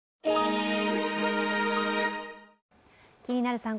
「気になる！